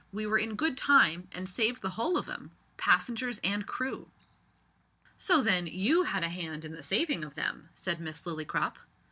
We were in good time, and saved the whole of 'em passengers and crew." "So, then, you had a hand in the saving of them," said Miss Lillycrop.